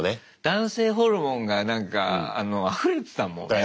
男性ホルモンがなんかあふれてたもんやっぱり。